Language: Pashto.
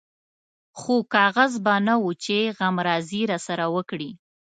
خو کاغذ به نه و چې غمرازي راسره وکړي.